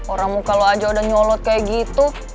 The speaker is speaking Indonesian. orang muka lo aja udah nyolot kayak gitu